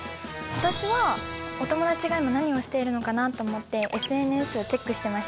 私はお友達が今何をしているのかなと思ってＳＮＳをチェックしてました。